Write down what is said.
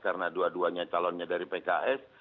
karena dua duanya calonnya dari pks